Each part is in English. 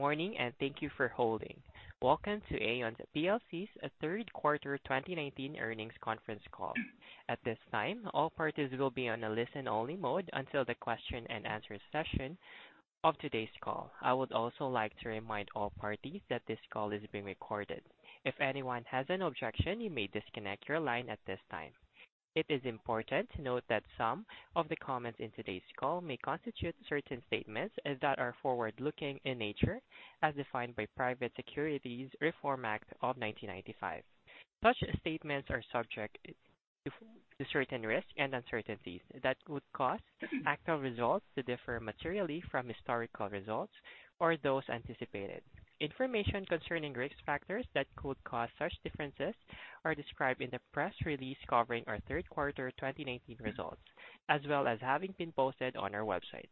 Morning, thank you for holding. Welcome to Aon PLC's third quarter 2019 earnings conference call. At this time, all parties will be on a listen-only mode until the question and answer session of today's call. I would also like to remind all parties that this call is being recorded. If anyone has an objection, you may disconnect your line at this time. It is important to note that some of the comments in today's call may constitute certain statements that are forward-looking in nature, as defined by Private Securities Litigation Reform Act of 1995. Such statements are subject to certain risks and uncertainties that could cause actual results to differ materially from historical results or those anticipated. Information concerning risk factors that could cause such differences are described in the press release covering our third quarter 2019 results, as well as having been posted on our website.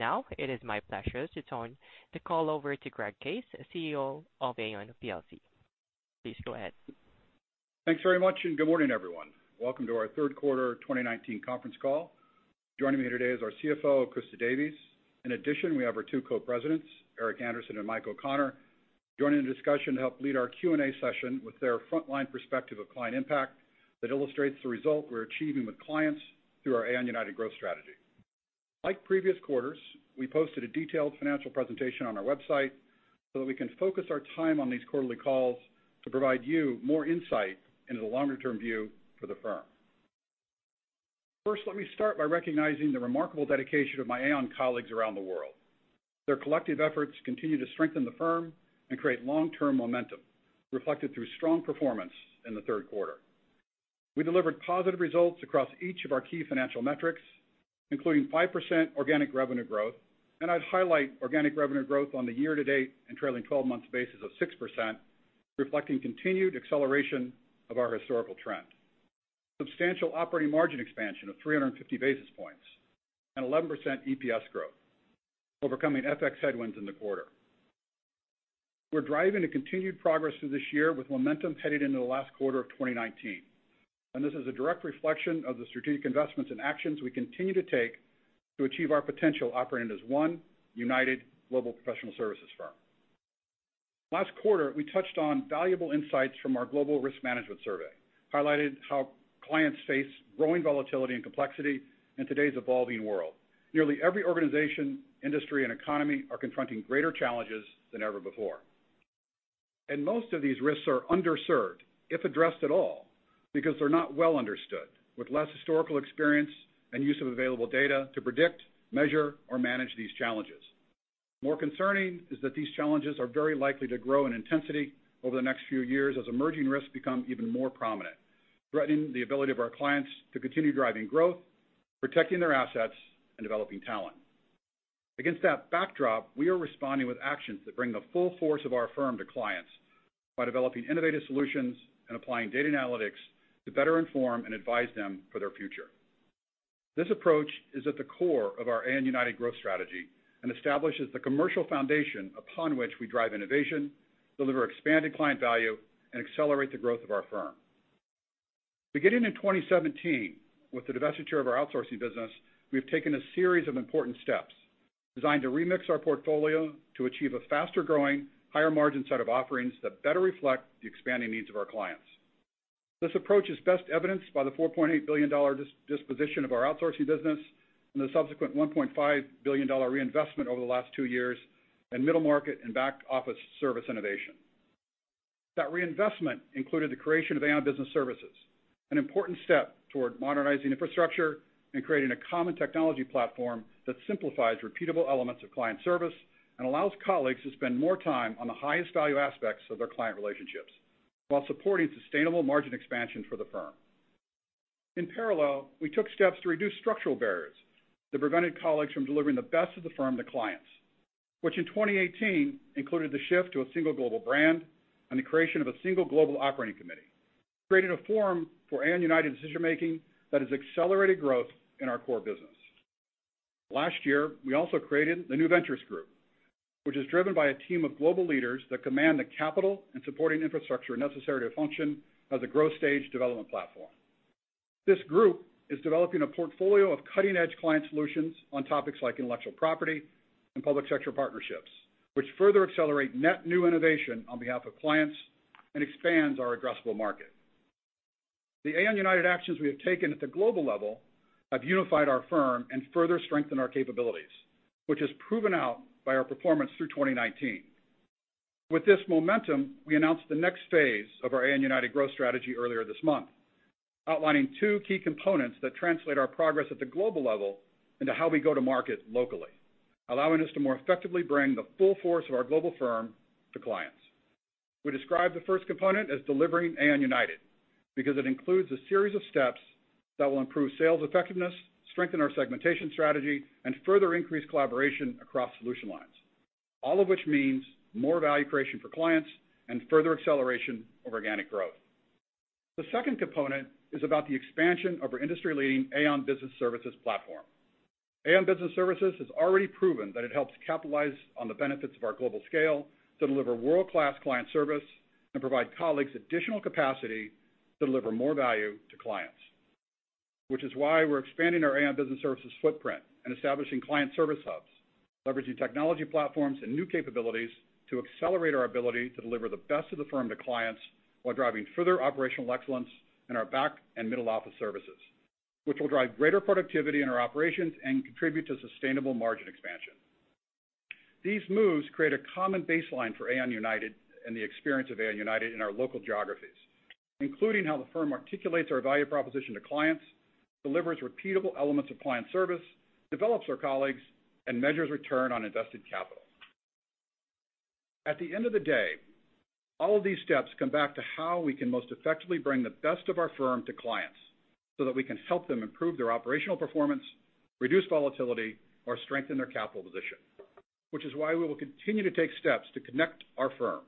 Now, it is my pleasure to turn the call over to Greg Case, CEO of Aon PLC. Please go ahead. Thanks very much, good morning, everyone. Welcome to our third quarter 2019 conference call. Joining me today is our CFO, Christa Davies. In addition, we have our two Co-Presidents, Eric Andersen and Michael O'Connor, joining the discussion to help lead our Q&A session with their frontline perspective of client impact that illustrates the result we're achieving with clients through our Aon United growth strategy. Like previous quarters, we posted a detailed financial presentation on our website so that we can focus our time on these quarterly calls to provide you more insight into the longer-term view for the firm. First, let me start by recognizing the remarkable dedication of my Aon colleagues around the world. Their collective efforts continue to strengthen the firm and create long-term momentum, reflected through strong performance in the third quarter. We delivered positive results across each of our key financial metrics, including 5% organic revenue growth. I'd highlight organic revenue growth on the year-to-date and trailing 12 months basis of 6%, reflecting continued acceleration of our historical trend. Substantial operating margin expansion of 350 basis points and 11% EPS growth, overcoming FX headwinds in the quarter. We're driving a continued progress through this year with momentum headed into the last quarter of 2019, this is a direct reflection of the strategic investments and actions we continue to take to achieve our potential operating as one united global professional services firm. Last quarter, we touched on valuable insights from our global risk management survey, highlighted how clients face growing volatility and complexity in today's evolving world. Nearly every organization, industry, and economy are confronting greater challenges than ever before. Most of these risks are underserved, if addressed at all, because they're not well understood, with less historical experience and use of available data to predict, measure, or manage these challenges. More concerning is that these challenges are very likely to grow in intensity over the next few years as emerging risks become even more prominent, threatening the ability of our clients to continue driving growth, protecting their assets, and developing talent. Against that backdrop, we are responding with actions that bring the full force of our firm to clients by developing innovative solutions and applying data analytics to better inform and advise them for their future. This approach is at the core of our Aon United growth strategy and establishes the commercial foundation upon which we drive innovation, deliver expanded client value, and accelerate the growth of our firm. Beginning in 2017, with the divestiture of our outsourcing business, we've taken a series of important steps designed to remix our portfolio to achieve a faster-growing, higher-margin set of offerings that better reflect the expanding needs of our clients. This approach is best evidenced by the $4.8 billion disposition of our outsourcing business and the subsequent $1.5 billion reinvestment over the last two years in middle market and back office service innovation. That reinvestment included the creation of Aon Business Services, an important step toward modernizing infrastructure and creating a common technology platform that simplifies repeatable elements of client service and allows colleagues to spend more time on the highest value aspects of their client relationships while supporting sustainable margin expansion for the firm. In parallel, we took steps to reduce structural barriers that prevented colleagues from delivering the best of the firm to clients, which in 2018 included the shift to a single global brand and the creation of a single global operating committee, creating a forum for Aon United decision-making that has accelerated growth in our core business. Last year, we also created the New Ventures Group, which is driven by a team of global leaders that command the capital and supporting infrastructure necessary to function as a growth stage development platform. This group is developing a portfolio of cutting-edge client solutions on topics like intellectual property and public sector partnerships, which further accelerate net new innovation on behalf of clients and expands our addressable market. The Aon United actions we have taken at the global level have unified our firm and further strengthened our capabilities, which is proven out by our performance through 2019. With this momentum, we announced the next phase of our Aon United growth strategy earlier this month, outlining two key components that translate our progress at the global level into how we go to market locally, allowing us to more effectively bring the full force of our global firm to clients. We describe the first component as delivering Aon United because it includes a series of steps that will improve sales effectiveness, strengthen our segmentation strategy, and further increase collaboration across solution lines. All of which means more value creation for clients and further acceleration of organic growth. The second component is about the expansion of our industry-leading Aon Business Services platform. Aon Business Services has already proven that it helps capitalize on the benefits of our global scale to deliver world-class client service and provide colleagues additional capacity to deliver more value to clients. We are expanding our Aon Business Services footprint and establishing client service hubs, leveraging technology platforms and new capabilities to accelerate our ability to deliver the best of the firm to clients while driving further operational excellence in our back and middle office services. This will drive greater productivity in our operations and contribute to sustainable margin expansion. These moves create a common baseline for Aon United and the experience of Aon United in our local geographies, including how the firm articulates our value proposition to clients, delivers repeatable elements of client service, develops our colleagues, and measures return on invested capital. At the end of the day, all of these steps come back to how we can most effectively bring the best of our firm to clients so that we can help them improve their operational performance, reduce volatility, or strengthen their capital position. We will continue to take steps to connect our firm,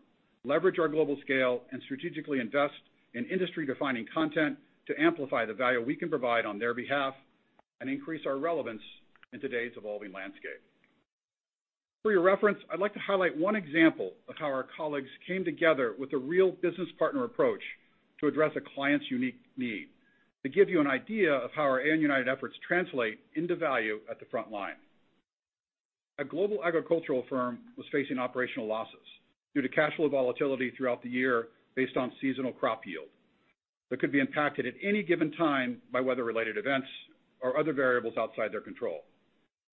leverage our global scale, and strategically invest in industry-defining content to amplify the value we can provide on their behalf and increase our relevance in today's evolving landscape. For your reference, I'd like to highlight one example of how our colleagues came together with a real business partner approach to address a client's unique need. To give you an idea of how our Aon United efforts translate into value at the front line. A global agricultural firm was facing operational losses due to cash flow volatility throughout the year based on seasonal crop yield that could be impacted at any given time by weather-related events or other variables outside their control.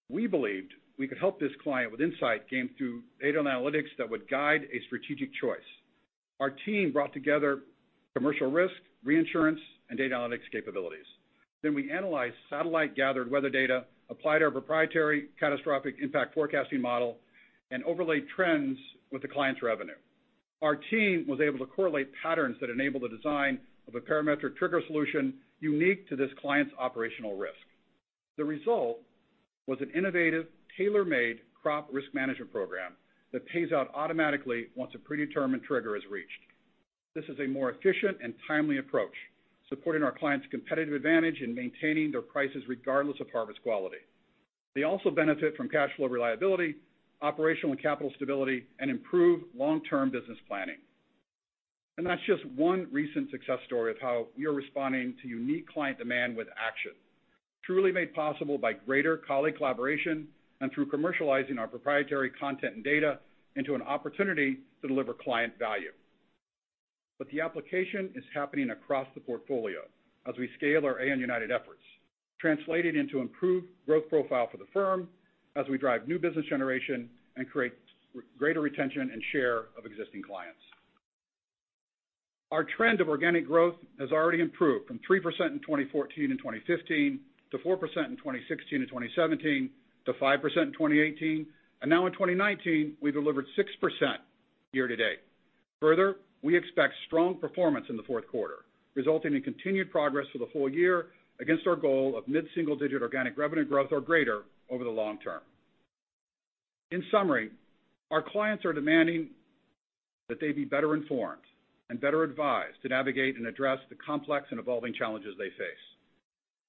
We believed we could help this client with insight gained through data and analytics that would guide a strategic choice. Our team brought together commercial risk, reinsurance, and data analytics capabilities. We analyzed satellite-gathered weather data, applied our proprietary catastrophic impact forecasting model, and overlaid trends with the client's revenue. Our team was able to correlate patterns that enabled the design of a parametric trigger solution unique to this client's operational risk. The result was an innovative, tailor-made crop risk management program that pays out automatically once a predetermined trigger is reached. This is a more efficient and timely approach, supporting our clients' competitive advantage in maintaining their prices regardless of harvest quality. They also benefit from cash flow reliability, operational and capital stability, and improved long-term business planning. That is just one recent success story of how we are responding to unique client demand with action, truly made possible by greater colleague collaboration and through commercializing our proprietary content and data into an opportunity to deliver client value. The application is happening across the portfolio as we scale our Aon United efforts, translating into improved growth profile for the firm as we drive new business generation and create greater retention and share of existing clients. Our trend of organic growth has already improved from 3% in 2014 and 2015, to 4% in 2016 and 2017, to 5% in 2018, and now in 2019, we delivered 6% year to date. Further, we expect strong performance in the fourth quarter, resulting in continued progress for the full year against our goal of mid-single-digit organic revenue growth or greater over the long term. In summary, our clients are demanding that they be better informed and better advised to navigate and address the complex and evolving challenges they face.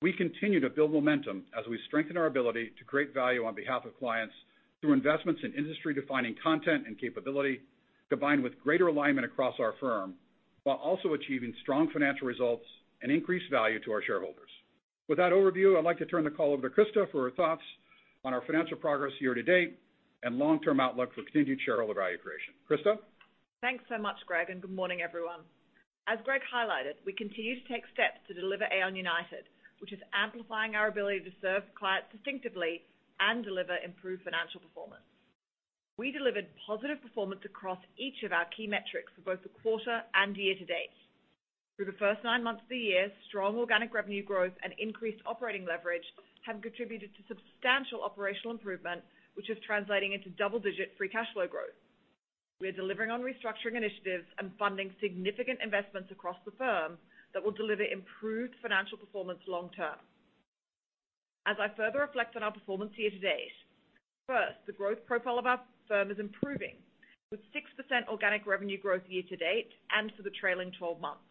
We continue to build momentum as we strengthen our ability to create value on behalf of clients through investments in industry defining content and capability, combined with greater alignment across our firm, while also achieving strong financial results and increased value to our shareholders. With that overview, I'd like to turn the call over to Christa for her thoughts on our financial progress year to date and long-term outlook for continued shareholder value creation. Christa? Thanks so much, Greg, and good morning, everyone. As Greg highlighted, we continue to take steps to deliver Aon United, which is amplifying our ability to serve clients distinctively and deliver improved financial performance. We delivered positive performance across each of our key metrics for both the quarter and year to date. Through the first nine months of the year, strong organic revenue growth and increased operating leverage have contributed to substantial operational improvement, which is translating into double-digit free cash flow growth. We are delivering on restructuring initiatives and funding significant investments across the firm that will deliver improved financial performance long term. As I further reflect on our performance year to date, first, the growth profile of our firm is improving, with 6% organic revenue growth year to date and for the trailing 12 months.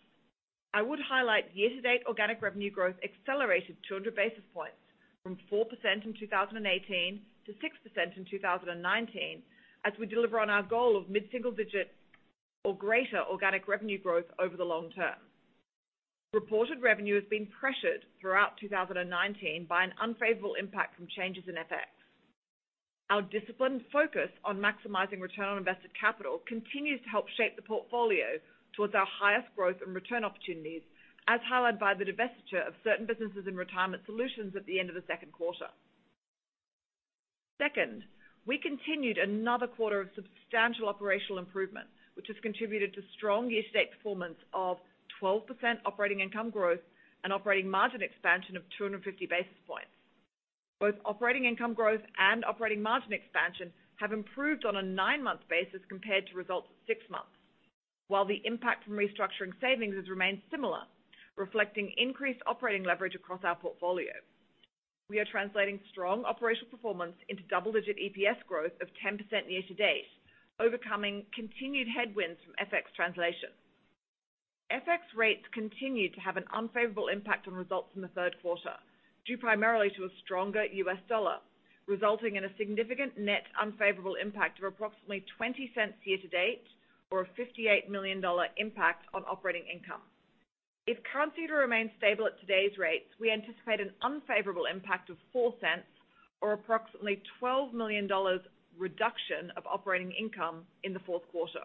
I would highlight year to date organic revenue growth accelerated 200 basis points from 4% in 2018 to 6% in 2019, as we deliver on our goal of mid-single-digit or greater organic revenue growth over the long term. Reported revenue has been pressured throughout 2019 by an unfavorable impact from changes in FX. Our disciplined focus on maximizing return on invested capital continues to help shape the portfolio towards our highest growth and return opportunities, as highlighted by the divestiture of certain businesses in Retirement Solutions at the end of the second quarter. Second, we continued another quarter of substantial operational improvement, which has contributed to strong year to date performance of 12% operating income growth and operating margin expansion of 250 basis points. Both operating income growth and operating margin expansion have improved on a nine-month basis compared to results at six months. While the impact from restructuring savings has remained similar, reflecting increased operating leverage across our portfolio. We are translating strong operational performance into double-digit EPS growth of 10% year to date, overcoming continued headwinds from FX translation. FX rates continued to have an unfavorable impact on results in the third quarter due primarily to a stronger U.S. dollar, resulting in a significant net unfavorable impact of approximately $0.20 year to date, or a $58 million impact on operating income. If currency were to remain stable at today's rates, we anticipate an unfavorable impact of $0.04 or approximately $12 million reduction of operating income in the fourth quarter.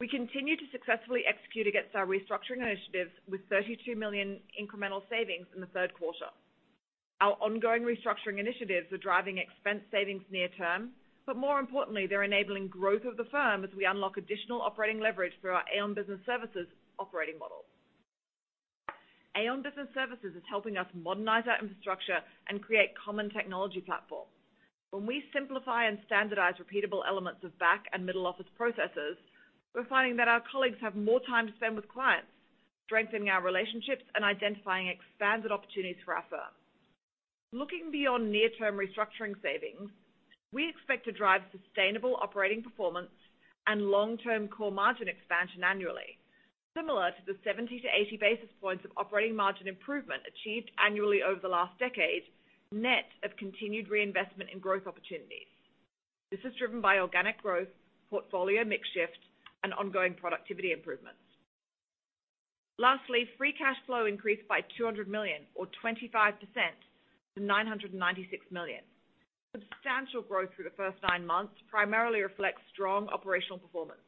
We continue to successfully execute against our restructuring initiatives with $32 million incremental savings in the third quarter. Our ongoing restructuring initiatives are driving expense savings near term. More importantly, they're enabling growth of the firm as we unlock additional operating leverage through our Aon Business Services operating model. Aon Business Services is helping us modernize our infrastructure and create common technology platforms. When we simplify and standardize repeatable elements of back and middle office processes, we're finding that our colleagues have more time to spend with clients, strengthening our relationships and identifying expanded opportunities for our firm. Looking beyond near-term restructuring savings, we expect to drive sustainable operating performance and long-term core margin expansion annually. Similar to the 70-80 basis points of operating margin improvement achieved annually over the last decade, net of continued reinvestment in growth opportunities. This is driven by organic growth, portfolio mix shift, and ongoing productivity improvements. Lastly, free cash flow increased by $200 million or 25% to $996 million. Substantial growth through the first nine months primarily reflects strong operational performance.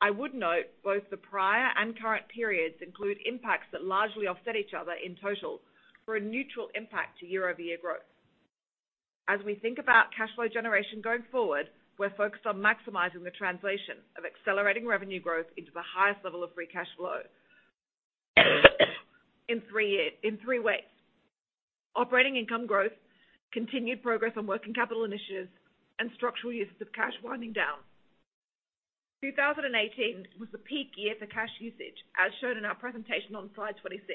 I would note both the prior and current periods include impacts that largely offset each other in total for a neutral impact to year-over-year growth. As we think about cash flow generation going forward, we're focused on maximizing the translation of accelerating revenue growth into the highest level of free cash flow in three ways. Operating income growth, continued progress on working capital initiatives, and structural uses of cash winding down. 2018 was the peak year for cash usage, as shown in our presentation on slide 26.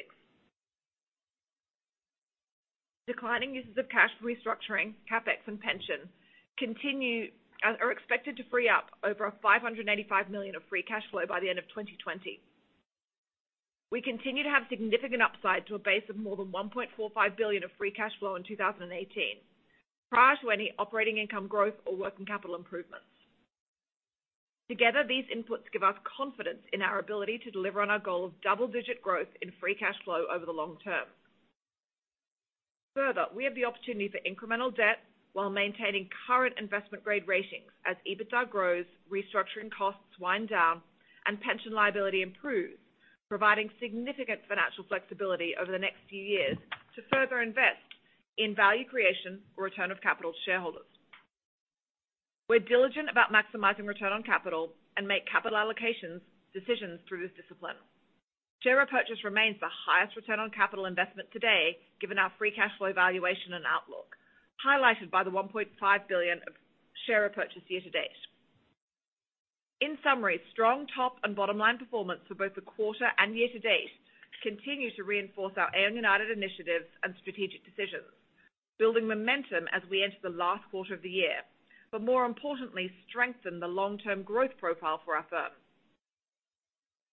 Declining uses of cash for restructuring, CapEx, and pension are expected to free up over $585 million of free cash flow by the end of 2020. We continue to have significant upside to a base of more than $1.45 billion of free cash flow in 2018, prior to any operating income growth or working capital improvements. Together, these inputs give us confidence in our ability to deliver on our goal of double-digit growth in free cash flow over the long term. Further, we have the opportunity for incremental debt while maintaining current investment-grade ratings as EBITDA grows, restructuring costs wind down, and pension liability improves, providing significant financial flexibility over the next few years to further invest in value creation or return of capital to shareholders. We're diligent about maximizing return on capital and make capital allocations decisions through this discipline. Share repurchase remains the highest return on capital investment today, given our free cash flow evaluation and outlook, highlighted by the $1.5 billion of share repurchase year to date. In summary, strong top and bottom line performance for both the quarter and year to date continue to reinforce our Aon United initiatives and strategic decisions, building momentum as we enter the last quarter of the year. More importantly, strengthen the long-term growth profile for our firm.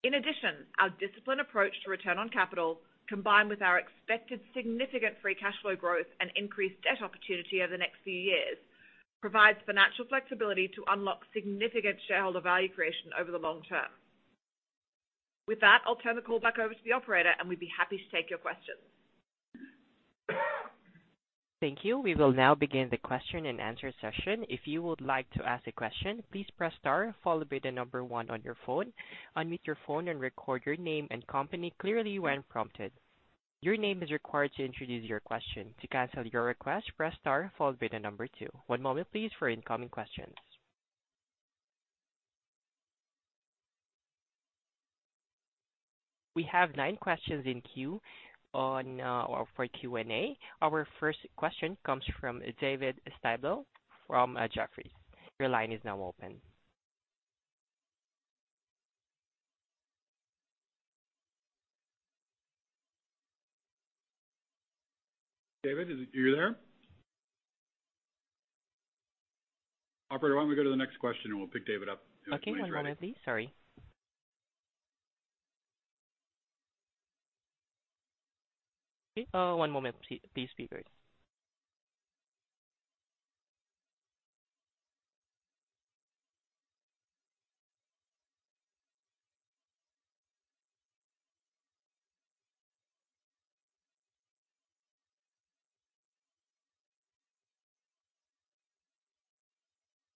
In addition, our disciplined approach to return on capital, combined with our expected significant free cash flow growth and increased debt opportunity over the next few years, provides financial flexibility to unlock significant shareholder value creation over the long term. With that, I'll turn the call back over to the operator. We'd be happy to take your questions. Thank you. We will now begin the question-and-answer session. If you would like to ask a question, please press star followed by one on your phone. Unmute your phone and record your name and company clearly when prompted. Your name is required to introduce your question. To cancel your request, press star followed by two. One moment please for incoming questions. We have nine questions in queue for Q&A. Our first question comes from David Styblo from Jefferies. Your line is now open. David, are you there? Operator, why don't we go to the next question, and we'll pick David up later on. Okay, one moment please. Sorry. One moment please. Please be great.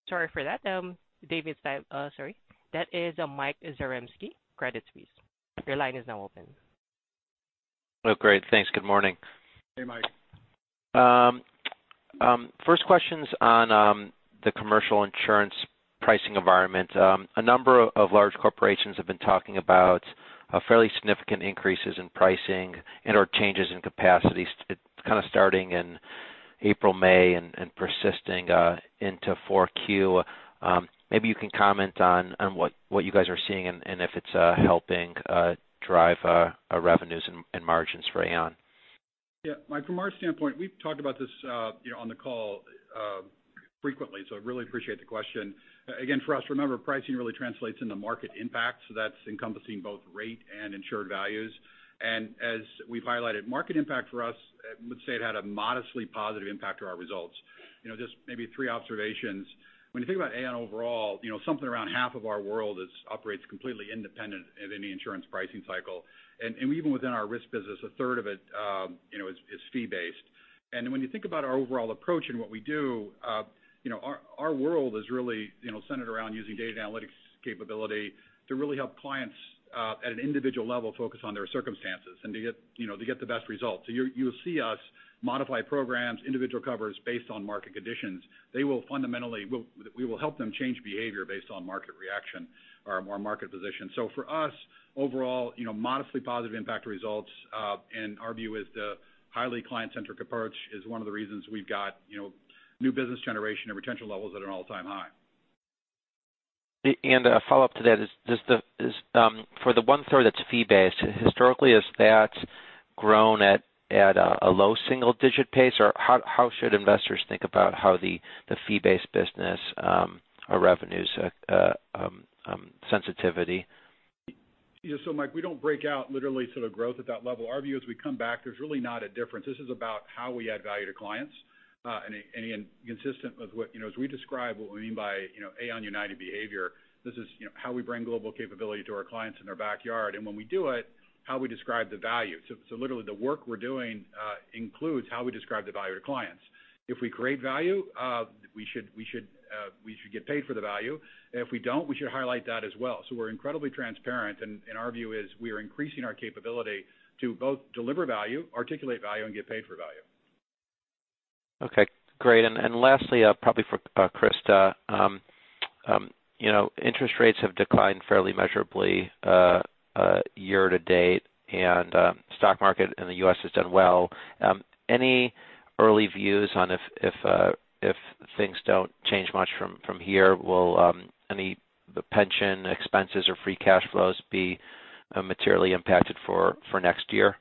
Sorry for that. That is Michael Zaremski, Credit Suisse. Your line is now open. Oh, great. Thanks. Good morning. Hey, Mike. First question's on the commercial insurance pricing environment. A number of large corporations have been talking about fairly significant increases in pricing and/or changes in capacity starting in April, May, and persisting into 4Q. Maybe you can comment on what you guys are seeing and if it's helping drive revenues and margins for Aon. Yeah. Mike, from our standpoint, we've talked about this on the call Frequently. I really appreciate the question. Again, for us, remember, pricing really translates into market impact, so that's encompassing both rate and insured values. As we've highlighted, market impact for us, I would say, it had a modestly positive impact to our results. Just maybe three observations. When you think about Aon overall, something around half of our world operates completely independent of any insurance pricing cycle. Even within our risk business, a third of it is fee-based. When you think about our overall approach and what we do, our world is really centered around using data analytics capability to really help clients, at an individual level, focus on their circumstances and to get the best results. You'll see us modify programs, individual covers based on market conditions. We will help them change behavior based on market reaction or market position. For us, overall, modestly positive impact to results, our view is the highly client-centric approach is one of the reasons we've got new business generation and retention levels that are at an all-time high. A follow-up to that is, for the one-third that's fee-based, historically, has that grown at a low single-digit pace? How should investors think about how the fee-based business or revenue sensitivity? Mike, we don't break out literally growth at that level. Our view as we come back, there's really not a difference. This is about how we add value to clients. Consistent with as we describe what we mean by Aon United behavior, this is how we bring global capability to our clients in their backyard. When we do it, how we describe the value. Literally, the work we're doing includes how we describe the value to clients. If we create value, we should get paid for the value. If we don't, we should highlight that as well. We're incredibly transparent, our view is we are increasing our capability to both deliver value, articulate value, and get paid for value. Okay, great. Lastly, probably for Christa. Interest rates have declined fairly measurably year to date, stock market in the U.S. has done well. Any early views on if things don't change much from here, will any pension expenses or free cash flows be materially impacted for next year?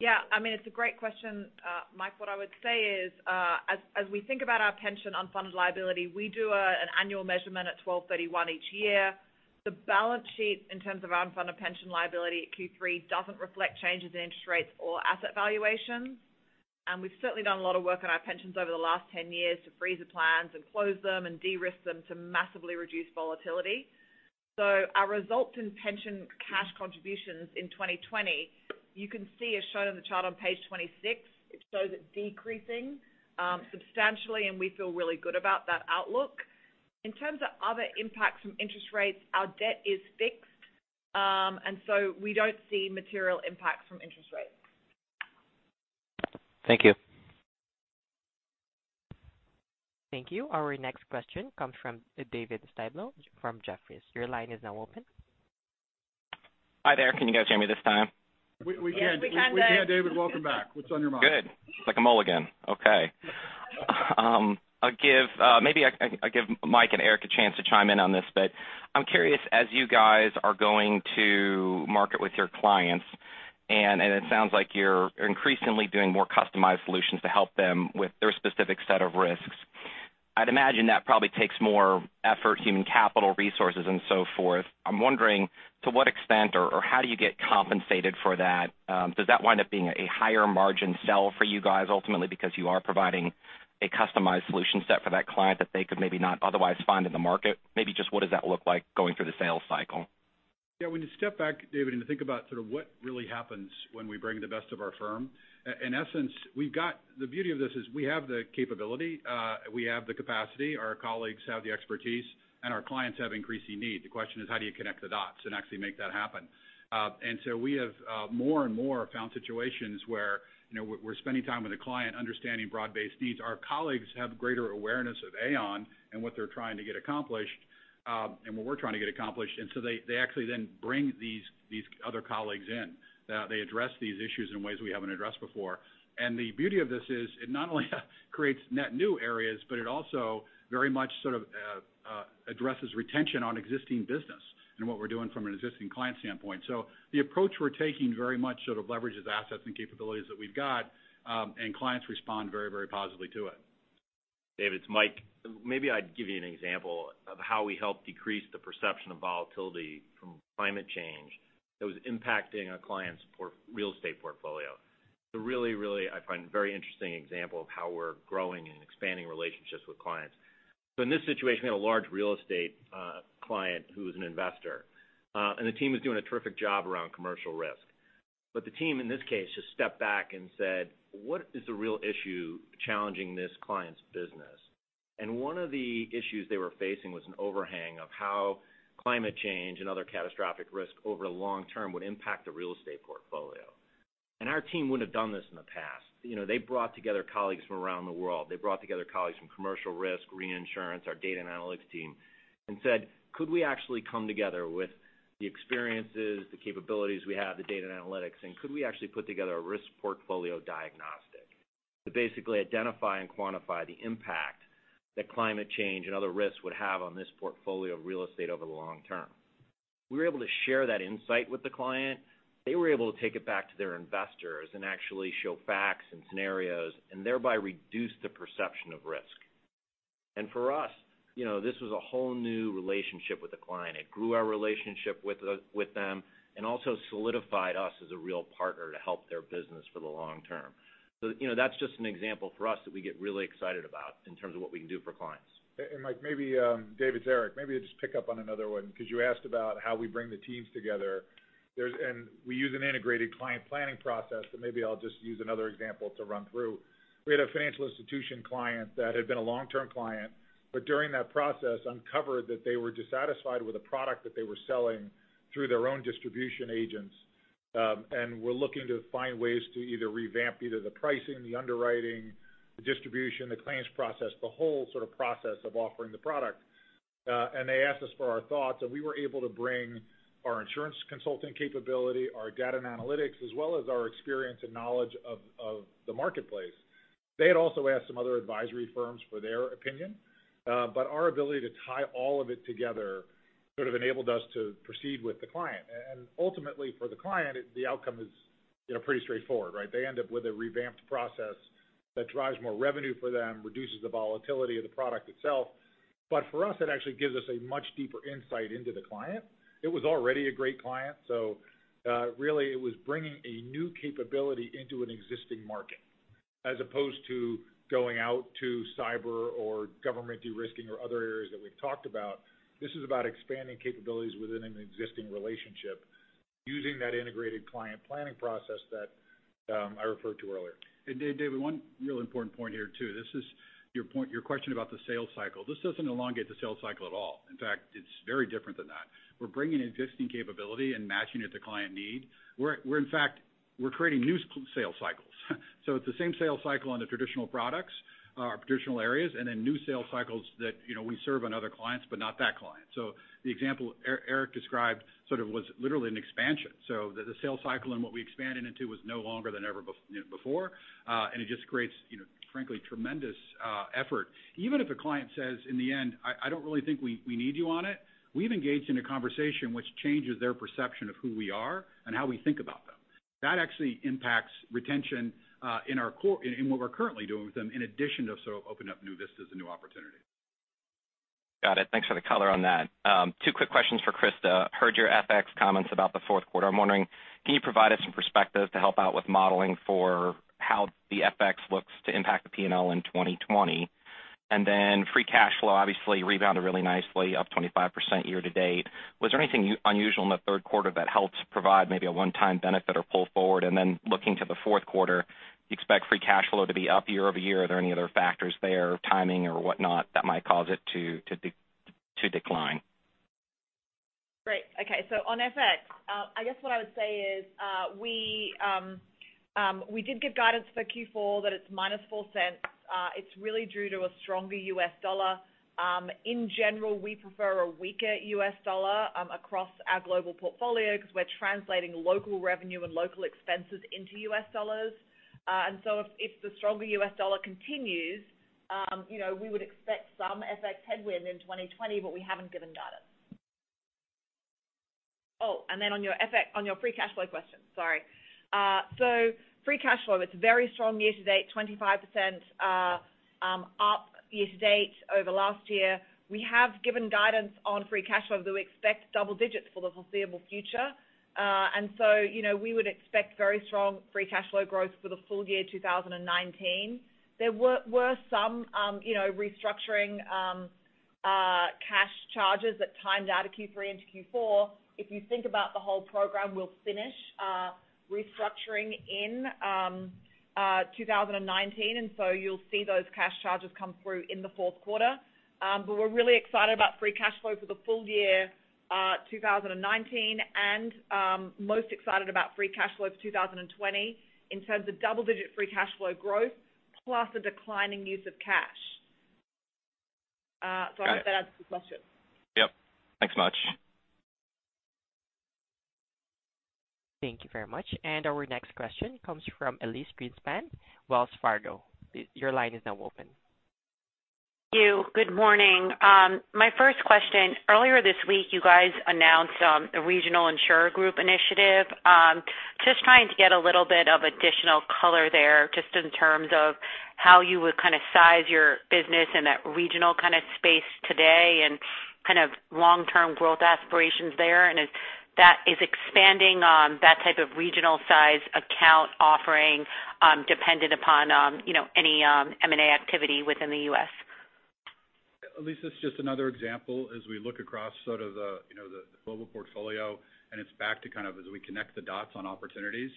Yeah. It's a great question, Mike. What I would say is, as we think about our pension unfunded liability, we do an annual measurement at 12/31 each year. The balance sheet in terms of unfunded pension liability at Q3 doesn't reflect changes in interest rates or asset valuations. We've certainly done a lot of work on our pensions over the last 10 years to freeze the plans and close them and de-risk them to massively reduce volatility. Our results in pension cash contributions in 2020, you can see as shown in the chart on page 26, it shows it decreasing substantially, and we feel really good about that outlook. In terms of other impacts from interest rates, our debt is fixed, we don't see material impacts from interest rates. Thank you. Thank you. Our next question comes from David Styblo from Jefferies. Your line is now open. Hi there. Can you guys hear me this time? We can. Yes, we can. We can, David. Welcome back. What's on your mind? Good. It's like a mulligan. Okay. Maybe I give Mike and Eric a chance to chime in on this. I'm curious, as you guys are going to market with your clients, and it sounds like you're increasingly doing more customized solutions to help them with their specific set of risks. I'd imagine that probably takes more effort, human capital resources, and so forth. I'm wondering to what extent or how do you get compensated for that? Does that wind up being a higher margin sell for you guys ultimately because you are providing a customized solution set for that client that they could maybe not otherwise find in the market? Maybe just what does that look like going through the sales cycle? When you step back, David, and think about what really happens when we bring the best of our firm. In essence, the beauty of this is we have the capability, we have the capacity, our colleagues have the expertise, and our clients have increasing need. The question is how do you connect the dots and actually make that happen? We have more and more found situations where we're spending time with a client understanding broad-based needs. Our colleagues have greater awareness of Aon and what they're trying to get accomplished, and what we're trying to get accomplished. They actually then bring these other colleagues in. They address these issues in ways we haven't addressed before. The beauty of this is it not only creates net new areas, but it also very much addresses retention on existing business and what we're doing from an existing client standpoint. The approach we're taking very much sort of leverages assets and capabilities that we've got, and clients respond very positively to it. David, it's Mike. Maybe I'd give you an example of how we helped decrease the perception of volatility from climate change that was impacting a client's real estate portfolio. Really, I find a very interesting example of how we're growing and expanding relationships with clients. In this situation, we had a large real estate client who was an investor. The team was doing a terrific job around Commercial Risk. The team, in this case, just stepped back and said, "What is the real issue challenging this client's business?" One of the issues they were facing was an overhang of how climate change and other catastrophic risk over the long term would impact the real estate portfolio. Our team wouldn't have done this in the past. They brought together colleagues from around the world. They brought together colleagues from Commercial Risk, Reinsurance, our Data & Analytics team, and said, "Could we actually come together with the experiences, the capabilities we have, the data and analytics, and could we actually put together a risk portfolio diagnostic to basically identify and quantify the impact that climate change and other risks would have on this portfolio of real estate over the long term?" We were able to share that insight with the client. They were able to take it back to their investors and actually show facts and scenarios, and thereby reduce the perception of risk. For us, this was a whole new relationship with the client. It grew our relationship with them and also solidified us as a real partner to help their business for the long term. That is just an example for us that we get really excited about in terms of what we can do for clients. Mike, maybe David, Eric, maybe just pick up on another one, because you asked about how we bring the teams together. We use an integrated client planning process, so maybe I'll just use another example to run through. We had a financial institution client that had been a long-term client, but during that process, uncovered that they were dissatisfied with a product that they were selling through their own distribution agents, and were looking to find ways to either revamp either the pricing, the underwriting, the distribution, the claims process, the whole process of offering the product. They asked us for our thoughts, and we were able to bring our insurance consulting capability, our data and analytics, as well as our experience and knowledge of the marketplace. They had also asked some other advisory firms for their opinion. Our ability to tie all of it together enabled us to proceed with the client. Ultimately for the client, the outcome is pretty straightforward, right? They end up with a revamped process that drives more revenue for them, reduces the volatility of the product itself. For us, it actually gives us a much deeper insight into the client. It was already a great client. Really it was bringing a new capability into an existing market, as opposed to going out to cyber or government de-risking or other areas that we've talked about. This is about expanding capabilities within an existing relationship using that integrated client planning process that I referred to earlier. David, one real important point here, too. This is your question about the sales cycle. This doesn't elongate the sales cycle at all. In fact, it's very different than that. We're bringing existing capability and matching it to client need. We're in fact creating new sales cycles. It's the same sales cycle on the traditional products, traditional areas, and then new sales cycles that we serve on other clients, but not that client. The example Eric described sort of was literally an expansion. The sales cycle and what we expanded into was no longer than ever before. It just creates frankly, tremendous effort. Even if a client says in the end, "I don't really think we need you on it," we've engaged in a conversation which changes their perception of who we are and how we think about them. That actually impacts retention in what we're currently doing with them, in addition to opening up new vistas and new opportunities. Got it. Thanks for the color on that. Two quick questions for Christa. Heard your FX comments about the fourth quarter. I'm wondering, can you provide us some perspective to help out with modeling for how the FX looks to impact the P&L in 2020? Free cash flow obviously rebounded really nicely, up 25% year-to-date. Was there anything unusual in the third quarter that helped provide maybe a one-time benefit or pull forward? Looking to the fourth quarter, do you expect free cash flow to be up year-over-year? Are there any other factors there, timing or whatnot, that might cause it to decline? Great. Okay. On FX, I guess what I would say is, we did give guidance for Q4 that it's -$0.04. It's really due to a stronger U.S. dollar. In general, we prefer a weaker U.S. dollar across our global portfolio because we're translating local revenue and local expenses into U.S. dollars. If the stronger U.S. dollar continues, we would expect some FX headwind in 2020, but we haven't given guidance. On your free cash flow question, sorry. Free cash flow, it's very strong year-to-date, 25% up year-to-date over last year. We have given guidance on free cash flow that we expect double digits for the foreseeable future. We would expect very strong free cash flow growth for the full year 2019. There were some restructuring cash charges that timed out of Q3 into Q4. If you think about the whole program, we'll finish restructuring in 2019, you'll see those cash charges come through in the fourth quarter. We're really excited about free cash flow for the full year 2019, most excited about free cash flow for 2020 in terms of double-digit free cash flow growth plus a declining use of cash. Got it. I hope that answers the question. Yep. Thanks much. Thank you very much. Our next question comes from Elyse Greenspan, Wells Fargo. Your line is now open. Thank you. Good morning. My first question, earlier this week, you guys announced a Regional Insurer Group initiative. Just trying to get a little bit of additional color there, just in terms of how you would size your business in that regional kind of space today and long-term growth aspirations there, and if that is expanding that type of regional size account offering dependent upon any M&A activity within the U.S. Elyse, that's just another example as we look across the global portfolio, it's back to as we connect the dots on opportunities.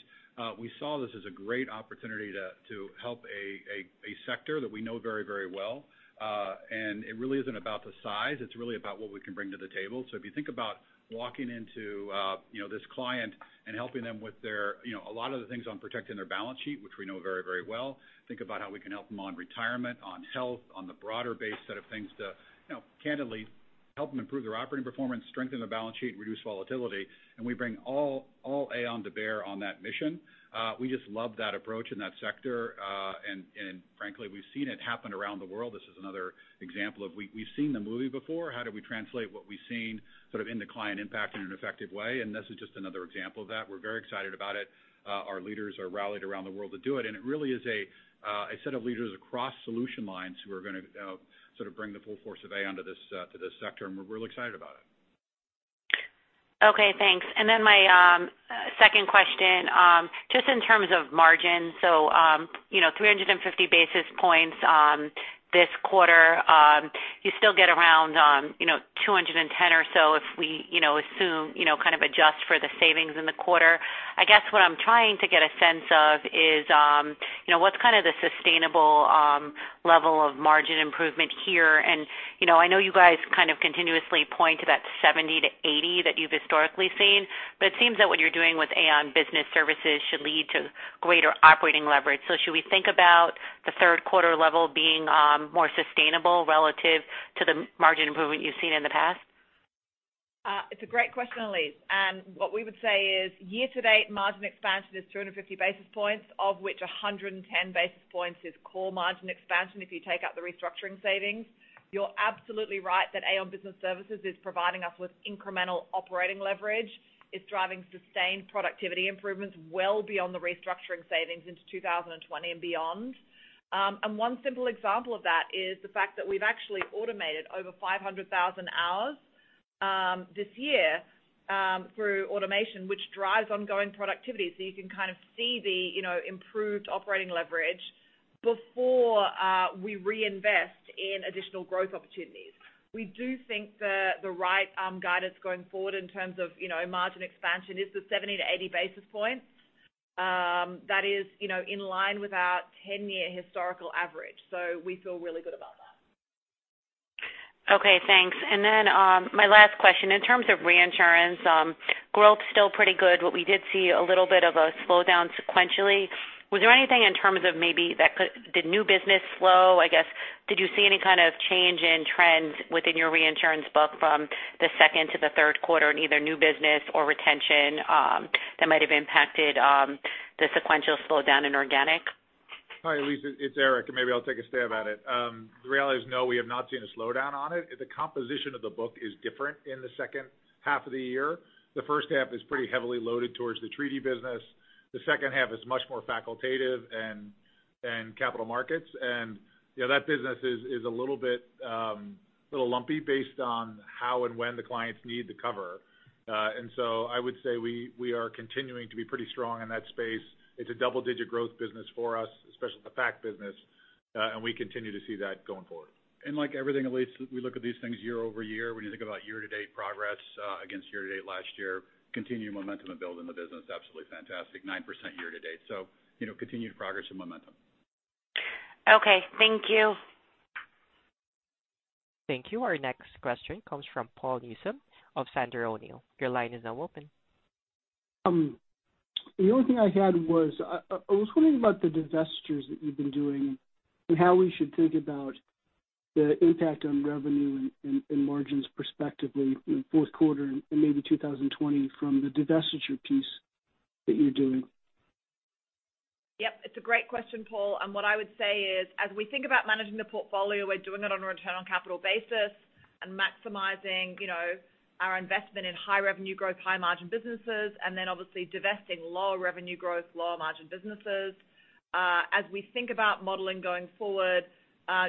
We saw this as a great opportunity to help a sector that we know very well. It really isn't about the size, it's really about what we can bring to the table. If you think about walking into this client and helping them with a lot of the things on protecting their balance sheet, which we know very well, think about how we can help them on retirement, on health, on the broader base set of things to, candidly. Help them improve their operating performance, strengthen the balance sheet, and reduce volatility, and we bring all Aon to bear on that mission. We just love that approach in that sector. Frankly, we've seen it happen around the world. This is another example of we've seen the movie before, how do we translate what we've seen sort of in the client impact in an effective way, and this is just another example of that. We're very excited about it. Our leaders are rallied around the world to do it. It really is a set of leaders across solution lines who are going to sort of bring the full force of Aon to this sector, and we're really excited about it. Okay, thanks. My second question, just in terms of margin. 350 basis points this quarter. You still get around 210 or so if we kind of adjust for the savings in the quarter. I guess what I'm trying to get a sense of is what's kind of the sustainable level of margin improvement here. I know you guys kind of continuously point to that 70 to 80 that you've historically seen, but it seems that what you're doing with Aon Business Services should lead to greater operating leverage. Should we think about the third quarter level being more sustainable relative to the margin improvement you've seen in the past? It's a great question, Elyse. What we would say is year-to-date, margin expansion is 250 basis points, of which 110 basis points is core margin expansion if you take out the restructuring savings. You're absolutely right that Aon Business Services is providing us with incremental operating leverage. It's driving sustained productivity improvements well beyond the restructuring savings into 2020 and beyond. One simple example of that is the fact that we've actually automated over 500,000 hours this year through automation, which drives ongoing productivity. You can kind of see the improved operating leverage before we reinvest in additional growth opportunities. We do think the right guidance going forward in terms of margin expansion is the 70 to 80 basis points. That is in line with our 10-year historical average. We feel really good about that. Okay, thanks. Then my last question. In terms of reinsurance, growth's still pretty good, but we did see a little bit of a slowdown sequentially. Was there anything in terms of maybe did new business slow? I guess, did you see any kind of change in trends within your reinsurance book from the second to the third quarter in either new business or retention that might have impacted the sequential slowdown in organic? Hi, Elyse, it's Eric, maybe I'll take a stab at it. The reality is no, we have not seen a slowdown on it. The composition of the book is different in the second half of the year. The first half is pretty heavily loaded towards the treaty business. The second half is much more facultative and capital markets, and that business is a little lumpy based on how and when the clients need the cover. I would say we are continuing to be pretty strong in that space. It's a double-digit growth business for us, especially the fact business. We continue to see that going forward. Like everything, Elyse, we look at these things year-over-year. When you think about year-to-date progress against year-to-date last year, continuing momentum and building the business, absolutely fantastic, 9% year-to-date. Continued progress and momentum. Okay. Thank you. Thank you. Our next question comes from Paul Newsome of Sandler O'Neill. Your line is now open. The only thing I had was I was wondering about the divestitures that you've been doing and how we should think about the impact on revenue and margins prospectively in the fourth quarter and maybe 2020 from the divestiture piece that you're doing. Yep. It's a great question, Paul. What I would say is as we think about managing the portfolio, we're doing it on a return on capital basis and maximizing our investment in high revenue growth, high margin businesses, and then obviously divesting lower revenue growth, lower margin businesses. As we think about modeling going forward,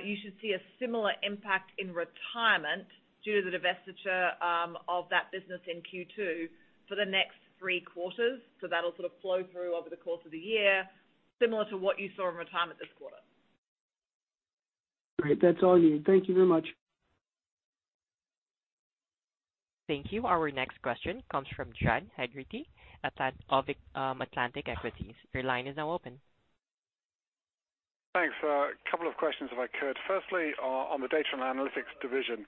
you should see a similar impact in Retirement due to the divestiture of that business in Q2 for the next three quarters. That'll sort of flow through over the course of the year, similar to what you saw in Retirement this quarter. Great. That's all I needed. Thank you very much. Thank you. Our next question comes from John Heagerty of Atlantic Equities. Your line is now open. Thanks. A couple of questions if I could. Firstly, on the Data & Analytic Services division.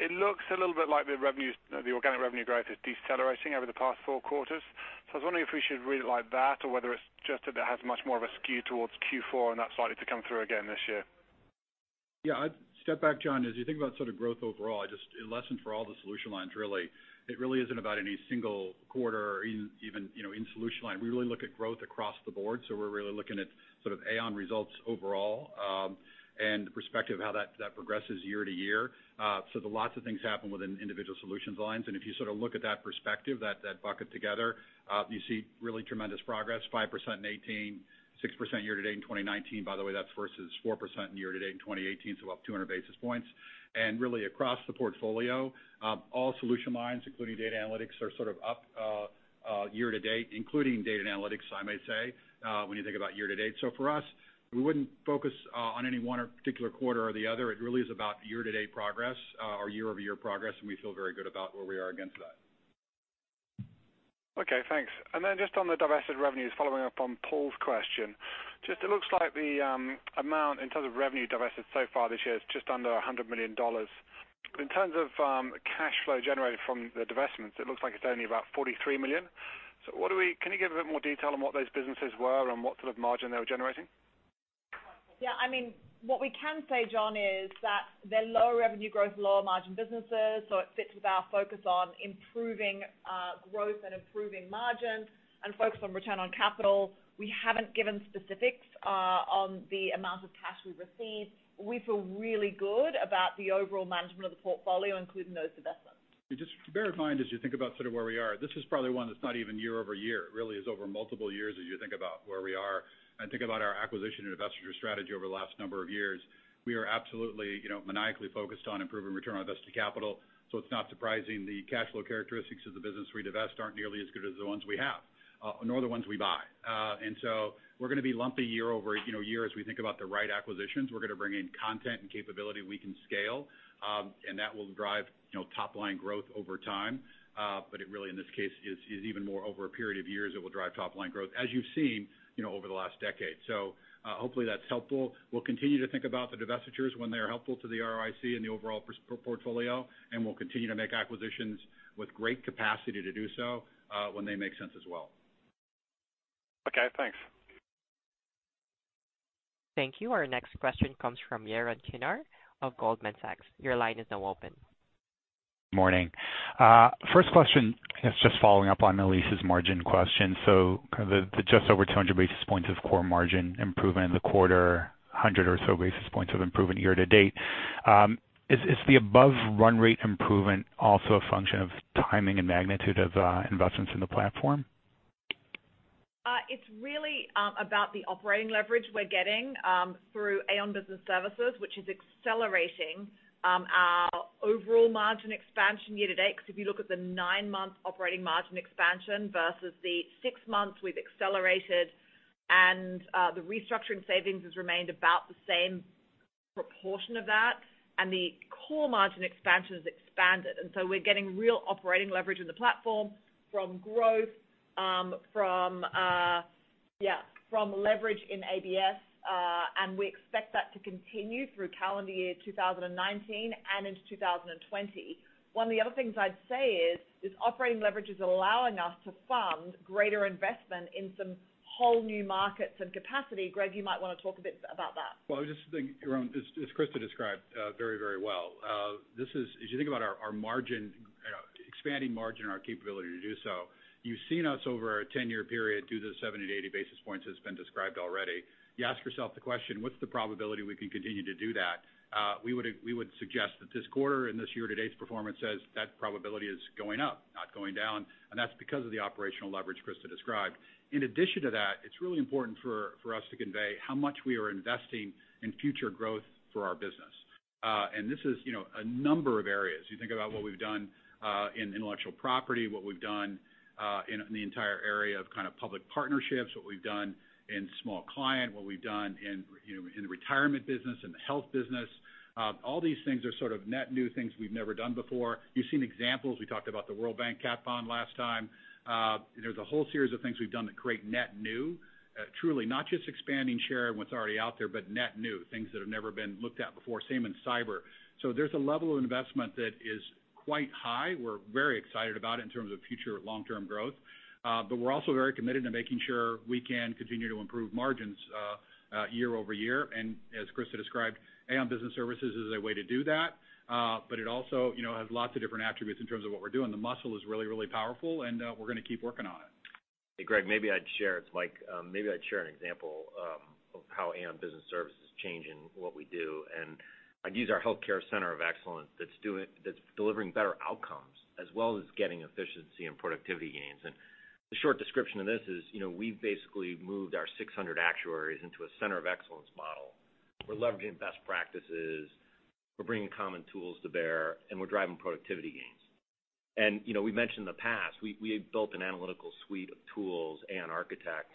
It looks a little bit like the organic revenue growth is decelerating over the past four quarters. I was wondering if we should read it like that or whether it's just that it has much more of a skew towards Q4 and that's likely to come through again this year. I'd step back, John. As you think about sort of growth overall, just a lesson for all the solution lines really. It really isn't about any single quarter or even in solution line. We really look at growth across the board. We're really looking at sort of Aon results overall, and perspective of how that progresses year to year. There are lots of things happen within individual solutions lines. If you sort of look at that perspective, that bucket together, you see really tremendous progress, 5% in 2018, 6% year to date in 2019. By the way, that's versus 4% in year to date in 2018, up 200 basis points. Really across the portfolio, all solution lines, including Data & Analytic Services, are sort of up year to date, including Data & Analytic Services, I might say, when you think about year to date. For us, we wouldn't focus on any one particular quarter or the other. It really is about year to date progress or year-over-year progress, and we feel very good about where we are against that. Okay, thanks. Just on the divested revenues, following up on Paul's question. It looks like the amount in terms of revenue divested so far this year is just under $100 million. In terms of cash flow generated from the divestments, it looks like it's only about $43 million. Can you give a bit more detail on what those businesses were and what sort of margin they were generating? Yeah. What we can say, John, is that they're low revenue growth, low margin businesses. It fits with our focus on improving growth and improving margin and focus on return on capital. We haven't given specifics on the amount of cash we received. We feel really good about the overall management of the portfolio, including those divestments. Just bear in mind as you think about where we are, this is probably one that's not even year-over-year. It really is over multiple years as you think about where we are and think about our acquisition and divestiture strategy over the last number of years. We are absolutely maniacally focused on improving return on invested capital. It's not surprising the cash flow characteristics of the business we divest aren't nearly as good as the ones we have, nor the ones we buy. We're going to be lumpy year-over-year as we think about the right acquisitions. We're going to bring in content and capability we can scale. That will drive top-line growth over time. It really, in this case, is even more over a period of years, it will drive top-line growth, as you've seen over the last decade. Hopefully that's helpful. We'll continue to think about the divestitures when they are helpful to the ROIC and the overall portfolio. We'll continue to make acquisitions with great capacity to do so when they make sense as well. Okay, thanks. Thank you. Our next question comes from Yaron Kinar of Goldman Sachs. Your line is now open. Morning. First question is just following up on Elyse's margin question. The just over 200 basis points of core margin improvement in the quarter, 100 or so basis points of improvement year-to-date. Is the above run rate improvement also a function of timing and magnitude of investments in the platform? It's really about the operating leverage we're getting through Aon Business Services, which is accelerating our overall margin expansion year-to-date. If you look at the nine-month operating margin expansion versus the six months we've accelerated, the restructuring savings has remained about the same proportion of that, the core margin expansion has expanded. We're getting real operating leverage in the platform from growth, from leverage in ABS, and we expect that to continue through calendar year 2019 and into 2020. One of the other things I'd say is this operating leverage is allowing us to fund greater investment in some whole new markets and capacity. Greg, you might want to talk a bit about that. I was just thinking, Yaron, as Christa described very well. As you think about our expanding margin and our capability to do so, you've seen us over a 10-year period do the 70 to 80 basis points as been described already. You ask yourself the question, what's the probability we can continue to do that? We would suggest that this quarter and this year to date's performance says that probability is going up, not going down. That's because of the operational leverage Christa described. In addition to that, it's really important for us to convey how much we are investing in future growth for our business. This is a number of areas. You think about what we've done in intellectual property, what we've done in the entire area of public partnerships, what we've done in small client, what we've done in the retirement business, in the health business. All these things are net new things we've never done before. You've seen examples. We talked about the World Bank cat bond last time. There's a whole series of things we've done that create net new, truly not just expanding share of what's already out there, but net new, things that have never been looked at before. Same in cyber. There's a level of investment that is quite high. We're very excited about it in terms of future long-term growth. We're also very committed to making sure we can continue to improve margins year-over-year. As Christa described, Aon Business Services is a way to do that. It also has lots of different attributes in terms of what we're doing. The muscle is really powerful. We're going to keep working on it. Hey, Greg, it's Mike. Maybe I'd share an example of how Aon Business Services is changing what we do. I'd use our healthcare center of excellence that's delivering better outcomes as well as getting efficiency and productivity gains. The short description of this is, we've basically moved our 600 actuaries into a center of excellence model. We're leveraging best practices, we're bringing common tools to bear, and we're driving productivity gains. We mentioned in the past, we built an analytical suite of tools, Aon Architect,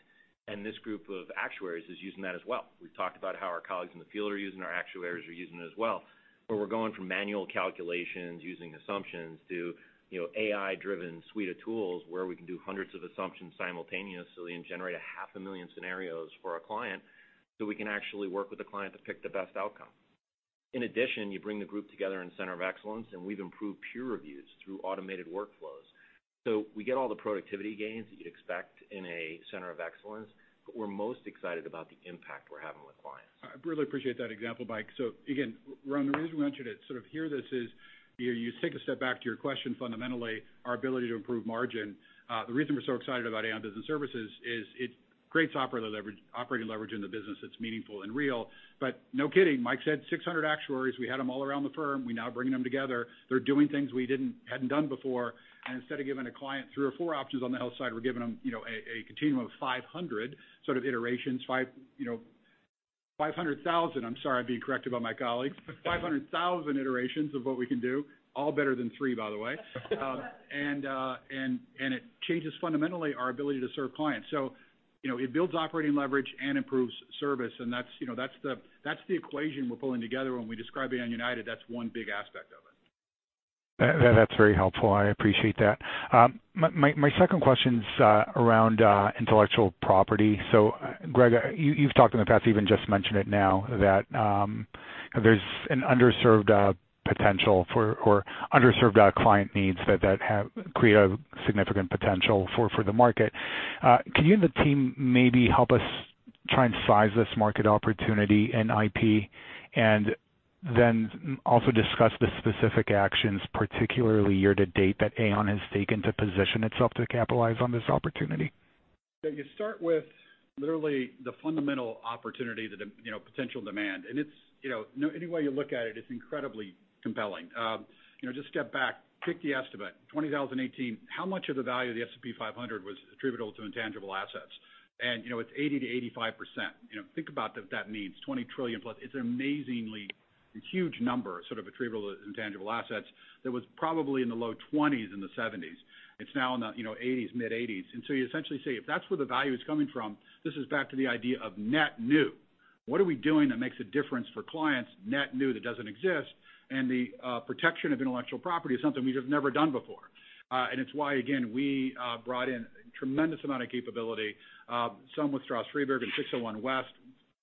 and this group of actuaries is using that as well. We've talked about how our colleagues in the field are using, our actuaries are using it as well, where we're going from manual calculations using assumptions to AI-driven suite of tools where we can do hundreds of assumptions simultaneously and generate a half a million scenarios for a client so we can actually work with a client to pick the best outcome. In addition, you bring the group together in center of excellence, and we've improved peer reviews through automated workflows. We get all the productivity gains that you'd expect in a center of excellence, but we're most excited about the impact we're having with clients. I really appreciate that example, Mike. Again, Yaron, the reason we mentioned it, to hear this is, you take a step back to your question, fundamentally, our ability to improve margin. The reason we're so excited about Aon Business Services is it creates operating leverage in the business that's meaningful and real, but no kidding, Mike said 600 actuaries. We had them all around the firm. We're now bringing them together. They're doing things we hadn't done before. Instead of giving a client three or four options on the health side, we're giving them a continuum of 500,000 iterations of what we can do. All better than three, by the way. It changes fundamentally our ability to serve clients. It builds operating leverage and improves service, and that's the equation we're pulling together when we describe Aon United. That's one big aspect of it. That's very helpful. I appreciate that. My second question's around intellectual property. Greg, you've talked in the past, even just mentioned it now, that there's an underserved potential or underserved client needs that create a significant potential for the market. Can you and the team maybe try and size this market opportunity and IP, and then also discuss the specific actions, particularly year-to-date, that Aon has taken to position itself to capitalize on this opportunity. You start with literally the fundamental opportunity, the potential demand. Any way you look at it's incredibly compelling. Just step back, pick the estimate. 2018, how much of the value of the S&P 500 was attributable to intangible assets? It's 80%-85%. Think about what that means, $20 trillion plus. It's an amazingly huge number, attributable to intangible assets, that was probably in the low 20s in the 1970s. It's now in the mid-1980s. You essentially say, if that's where the value is coming from, this is back to the idea of net new. What are we doing that makes a difference for clients net new that doesn't exist? The protection of intellectual property is something we have never done before. It's why, again, we brought in a tremendous amount of capability. Some with Stroz Friedberg and 601 West.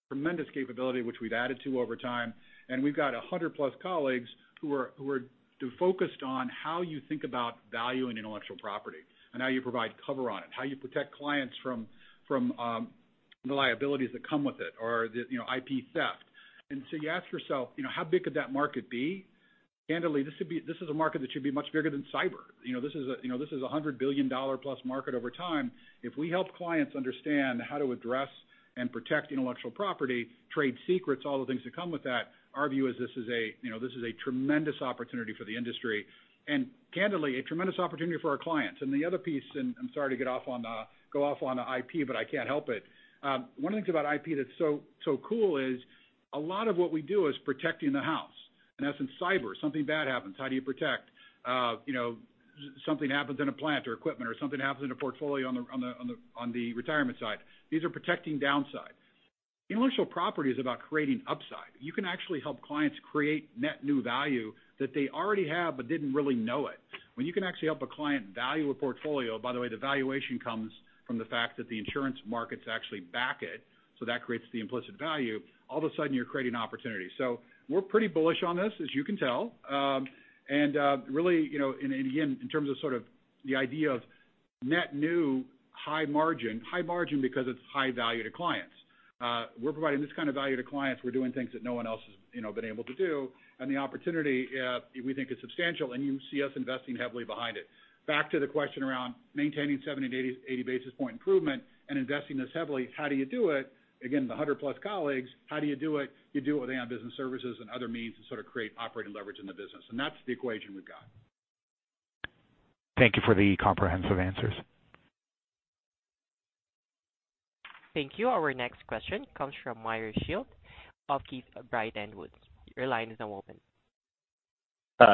Tremendous capability, which we've added to over time, and we've got 100-plus colleagues who are focused on how you think about valuing intellectual property and how you provide cover on it, how you protect clients from the liabilities that come with it, or the IP theft. You ask yourself, how big could that market be? Candidly, this is a market that should be much bigger than cyber. This is a $100 billion-plus market over time. If we help clients understand how to address and protect intellectual property, trade secrets, all the things that come with that, our view is this is a tremendous opportunity for the industry. Candidly, a tremendous opportunity for our clients. The other piece, and I'm sorry to go off on IP, but I can't help it. One of the things about IP that's so cool is a lot of what we do is protecting the house. As in cyber, something bad happens, how do you protect? Something happens in a plant or equipment, or something happens in a portfolio on the retirement side. These are protecting downside. Intellectual property is about creating upside. You can actually help clients create net new value that they already have but didn't really know it. When you can actually help a client value a portfolio, by the way, the valuation comes from the fact that the insurance markets actually back it, so that creates the implicit value. All of a sudden, you're creating opportunity. We're pretty bullish on this, as you can tell. Really, and again, in terms of the idea of net new, high margin. High margin because it's high value to clients. We're providing this kind of value to clients. We're doing things that no one else has been able to do. The opportunity we think is substantial, and you see us investing heavily behind it. Back to the question around maintaining 70-80 basis point improvement and investing this heavily. How do you do it? Again, the 100-plus colleagues. How do you do it? You do it with Aon Business Services and other means to create operating leverage in the business. That's the equation we've got. Thank you for the comprehensive answers. Thank you. Our next question comes from Meyer Shields of Keefe, Bruyette & Woods. Your line is now open.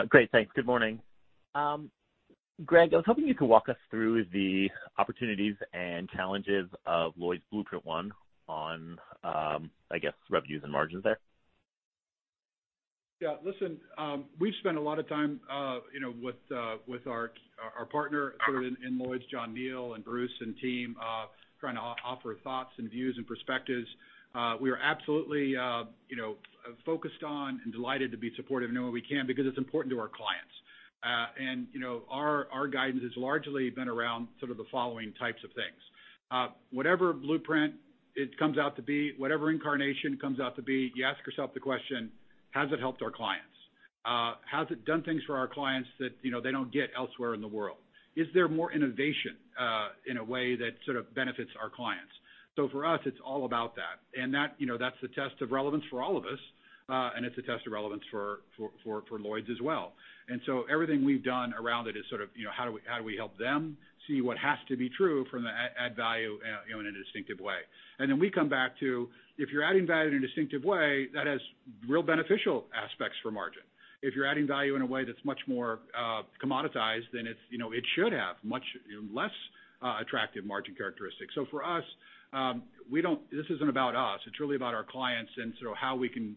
Great, thanks. Good morning. Greg, I was hoping you could walk us through the opportunities and challenges of Lloyd's Blueprint One on, I guess, revenues and margins there. Yeah, listen, we've spent a lot of time with our partner in Lloyd's, John Neal and Bruce and team, trying to offer thoughts and views and perspectives. We are absolutely focused on and delighted to be supportive in any way we can because it's important to our clients. Our guidance has largely been around the following types of things. Whatever blueprint it comes out to be, whatever incarnation comes out to be, you ask yourself the question: has it helped our clients? Has it done things for our clients that they don't get elsewhere in the world? Is there more innovation in a way that benefits our clients? For us, it's all about that, and that's the test of relevance for all of us. It's a test of relevance for Lloyd's as well. Everything we've done around it is how do we help them see what has to be true from the add value in a distinctive way. We come back to, if you're adding value in a distinctive way, that has real beneficial aspects for margin. If you're adding value in a way that's much more commoditized, then it should have much less attractive margin characteristics. For us, this isn't about us. It's really about our clients and how we can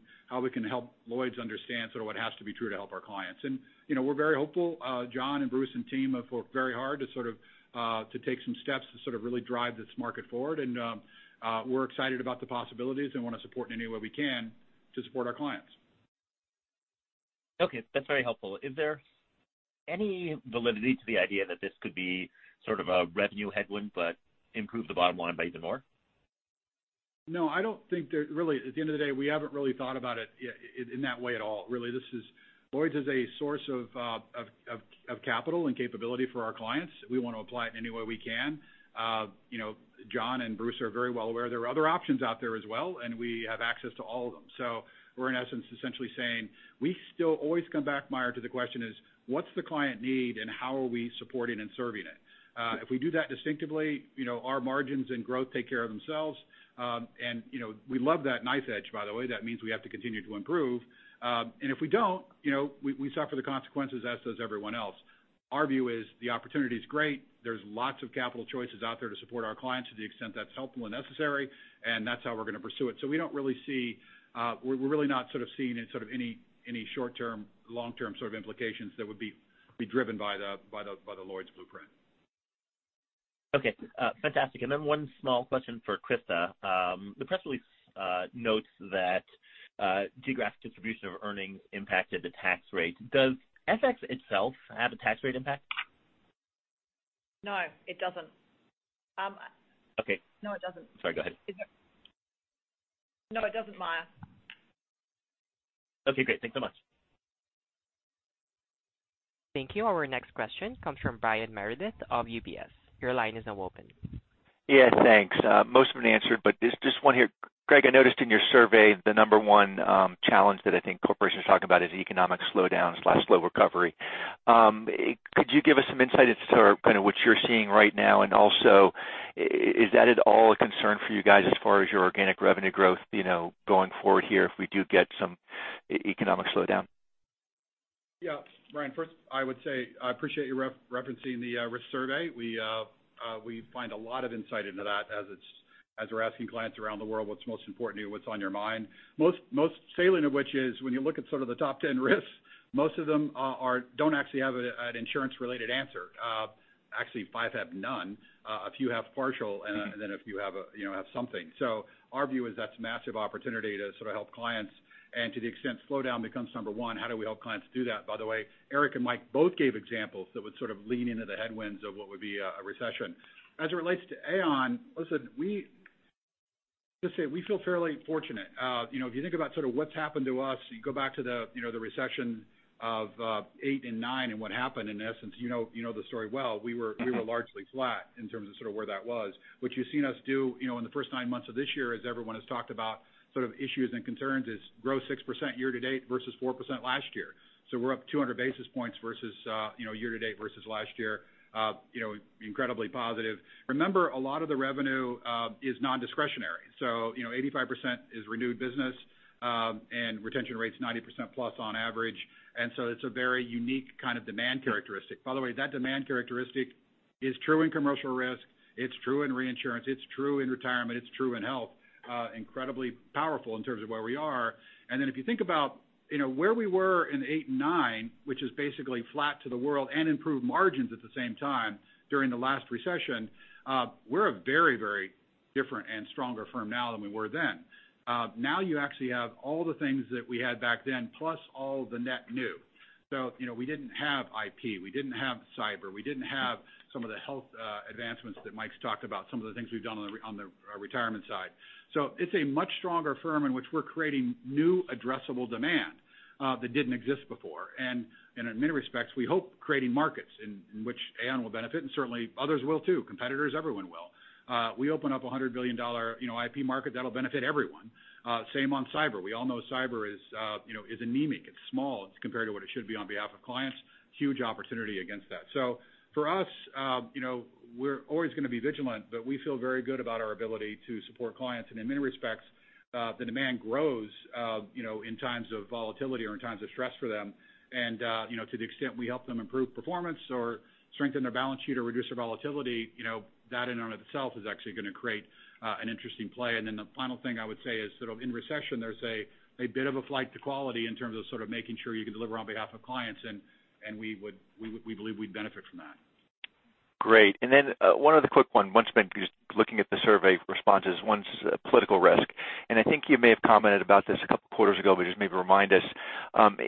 help Lloyd's understand what has to be true to help our clients. We're very hopeful. John and Bruce and team have worked very hard to take some steps to really drive this market forward. We're excited about the possibilities and want to support in any way we can to support our clients. Okay. That's very helpful. Is there any validity to the idea that this could be sort of a revenue headwind but improve the bottom line by even more? Really, at the end of the day, we haven't really thought about it in that way at all, really. Lloyd's is a source of capital and capability for our clients. We want to apply it in any way we can. John and Bruce are very well aware there are other options out there as well, and we have access to all of them. We're in essence essentially saying we still always come back, Meyer, to the question is what's the client need and how are we supporting and serving it? If we do that distinctively, our margins and growth take care of themselves. We love that knife edge, by the way. That means we have to continue to improve. If we don't, we suffer the consequences as does everyone else. Our view is the opportunity is great. There's lots of capital choices out there to support our clients to the extent that's helpful and necessary, and that's how we're going to pursue it. We're really not seeing any short-term, long-term implications that would be driven by the Lloyd's Blueprint. Okay. Fantastic. Then one small question for Christa. The press release notes that geographic distribution of earnings impacted the tax rate. Does FX itself have a tax rate impact? No, it doesn't. Okay. No, it doesn't. Sorry, go ahead. No, it doesn't, Meyer. Okay, great. Thanks so much. Thank you. Our next question comes from Brian Meredith of UBS. Your line is now open. Thanks. Most have been answered, but just one here. Greg, I noticed in your survey the number 1 challenge that I think corporations are talking about is economic slowdowns/slow recovery. Could you give us some insight as to kind of what you're seeing right now? Also, is that at all a concern for you guys as far as your organic revenue growth going forward here if we do get some economic slowdown? Yeah. Brian, I would say I appreciate you referencing the risk survey. We find a lot of insight into that as we're asking clients around the world what's most important to you, what's on your mind. Most salient of which is when you look at sort of the top 10 risks, most of them don't actually have an insurance-related answer. Actually, five have none. A few have partial, a few have something. Our view is that's massive opportunity to sort of help clients. To the extent slowdown becomes number one, how do we help clients do that? By the way, Eric and Mike both gave examples that would sort of lean into the headwinds of what would be a recession. As it relates to Aon, listen, we feel fairly fortunate. If you think about sort of what's happened to us, you go back to the recession of 2008 and 2009 and what happened, in essence, you know the story well. We were largely flat in terms of sort of where that was. What you've seen us do in the first nine months of this year, as everyone has talked about sort of issues and concerns, is grow 6% year-to-date versus 4% last year. We're up 200 basis points year-to-date versus last year. Incredibly positive. Remember, a lot of the revenue is non-discretionary. 85% is renewed business, and retention rate's 90% plus on average. It's a very unique kind of demand characteristic. By the way, that demand characteristic is true in Commercial Risk, it's true in Reinsurance, it's true in Retirement, it's true in Health. Incredibly powerful in terms of where we are. If you think about where we were in 2008 and 2009, which is basically flat to the world and improved margins at the same time during the last recession, we're a very, very different and stronger firm now than we were then. Now you actually have all the things that we had back then, plus all the net new. We didn't have IP, we didn't have cyber, we didn't have some of the Health advancements that Mike's talked about, some of the things we've done on the Retirement side. It's a much stronger firm in which we're creating new addressable demand that didn't exist before. In many respects, we hope creating markets in which Aon will benefit and certainly others will too, competitors, everyone will. We open up a $100 billion IP market, that'll benefit everyone. Same on cyber. We all know cyber is anemic. It's small. It's compared to what it should be on behalf of clients. Huge opportunity against that. For us, we're always going to be vigilant, but we feel very good about our ability to support clients. In many respects, the demand grows in times of volatility or in times of stress for them. To the extent we help them improve performance or strengthen their balance sheet or reduce their volatility, that in and of itself is actually going to create an interesting play. The final thing I would say is sort of in recession, there's a bit of a flight to quality in terms of sort of making sure you can deliver on behalf of clients. We believe we'd benefit from that. Great. One other quick one. Once again, just looking at the survey responses, one's political risk. I think you may have commented about this a couple of quarters ago, but just maybe remind us.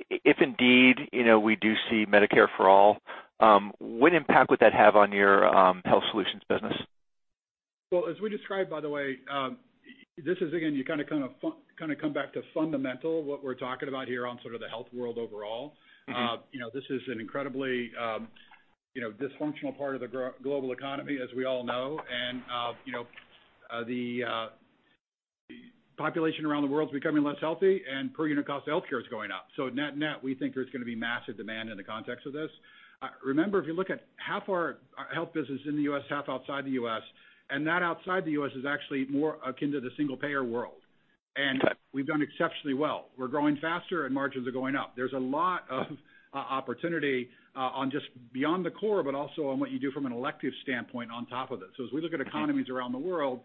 If indeed, we do see Medicare for All, what impact would that have on your Health Solutions business? Well, as we described, by the way, this is again, you kind of come back to fundamental, what we're talking about here on sort of the health world overall. This is an incredibly dysfunctional part of the global economy, as we all know. The population around the world is becoming less healthy and per unit cost of healthcare is going up. Net net, we think there's going to be massive demand in the context of this. Remember, if you look at half our health business in the U.S., half outside the U.S., and that outside the U.S. is actually more akin to the single payer world. We've done exceptionally well. We're growing faster and margins are going up. There's a lot of opportunity on just beyond the core, but also on what you do from an elective standpoint on top of this. As we look at economies around the world,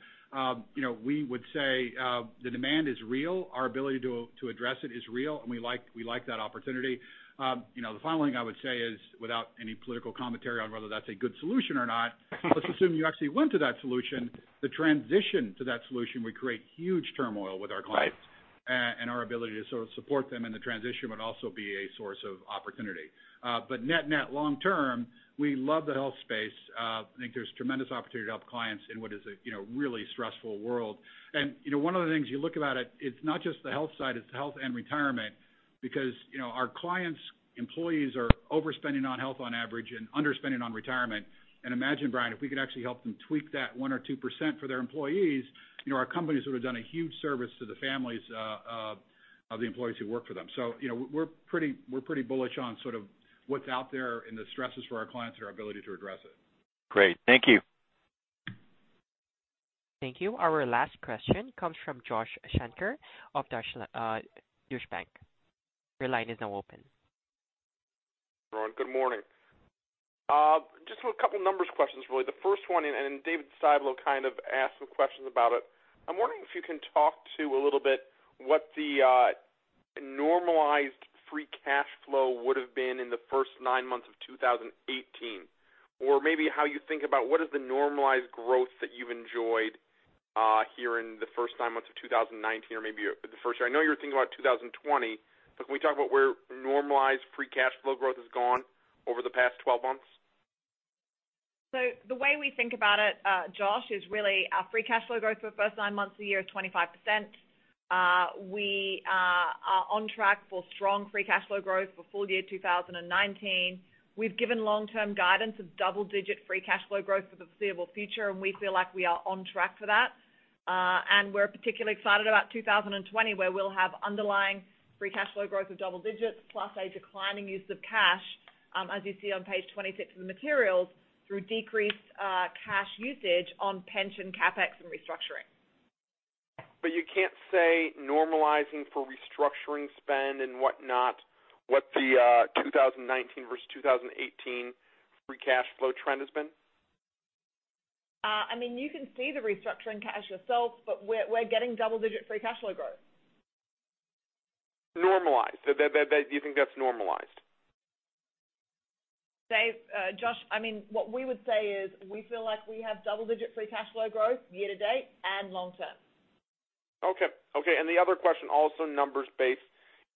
we would say the demand is real. Our ability to address it is real, and we like that opportunity. The final thing I would say is, without any political commentary on whether that's a good solution or not, let's assume you actually went to that solution. The transition to that solution would create huge turmoil with our clients. Right. Our ability to sort of support them in the transition would also be a source of opportunity. Net net long term, we love the health space. I think there's tremendous opportunity to help clients in what is a really stressful world. One of the things you look about it's not just the health side, it's the health and retirement because our clients' employees are overspending on health on average and underspending on retirement. Imagine, Brian, if we could actually help them tweak that one or 2% for their employees, our companies would have done a huge service to the families of the employees who work for them. We're pretty bullish on sort of what's out there and the stresses for our clients and our ability to address it. Great. Thank you. Thank you. Our last question comes from Joshua Shanker of Deutsche Bank. Your line is now open. Everyone, good morning. Just a couple numbers questions, really. The first one, David Styblo kind of asked some questions about it. I'm wondering if you can talk to a little bit what the normalized free cash flow would've been in the first nine months of 2018, or maybe how you think about what is the normalized growth that you've enjoyed here in the first nine months of 2019 or maybe the first I know you were thinking about 2020, but can we talk about where normalized free cash flow growth has gone over the past 12 months? The way we think about it, Josh, is really our free cash flow growth for the first nine months of the year is 25%. We are on track for strong free cash flow growth for full year 2019. We've given long-term guidance of double-digit free cash flow growth for the foreseeable future, and we feel like we are on track for that. We're particularly excited about 2020, where we'll have underlying free cash flow growth of double digits plus a declining use of cash, as you see on page 26 of the materials, through decreased cash usage on pension CapEx and restructuring. You can't say normalizing for restructuring spend and whatnot, what the 2019 versus 2018 free cash flow trend has been? You can see the restructuring cash yourself, but we're getting double-digit free cash flow growth. Normalized. Do you think that's normalized? Josh, what we would say is we feel like we have double-digit free cash flow growth year to date and long term. Okay. The other question, also numbers based.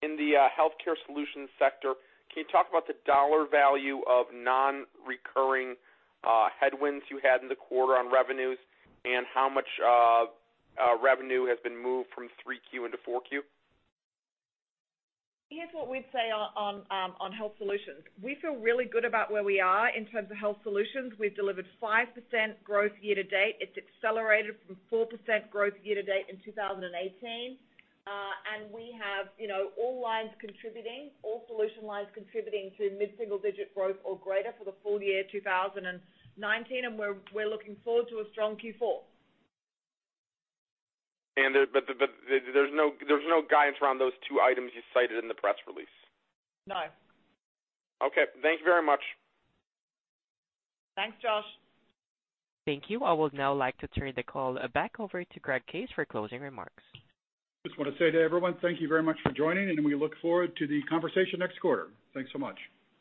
In the Health Solutions sector, can you talk about the dollar value of non-recurring headwinds you had in the quarter on revenues and how much revenue has been moved from Q3 into Q4? Here's what we'd say on Health Solutions. We feel really good about where we are in terms of Health Solutions. We've delivered 5% growth year to date. It's accelerated from 4% growth year to date in 2018. We have all lines contributing, all solution lines contributing to mid-single digit growth or greater for the full year 2019, and we're looking forward to a strong Q4. There's no guidance around those two items you cited in the press release? No. Okay. Thank you very much. Thanks, Josh. Thank you. I would now like to turn the call back over to Greg Case for closing remarks. Just want to say to everyone, thank you very much for joining. We look forward to the conversation next quarter. Thanks so much.